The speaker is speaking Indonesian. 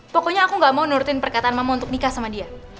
pokoknya aku gak mau nurin perkataan mama untuk nikah sama dia